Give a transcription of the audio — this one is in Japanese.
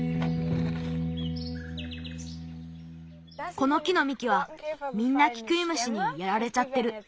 この木のみきはみんなキクイムシにやられちゃってる。